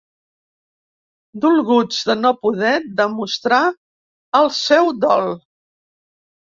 Dolguts de no poder demostrar el seu dol.